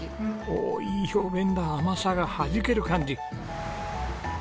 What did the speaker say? おおいい表現だ「甘さがはじける感じ」。